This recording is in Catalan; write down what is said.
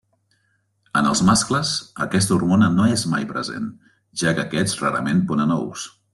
En els mascles aquesta hormona no és mai present, ja que aquests rarament ponen ous.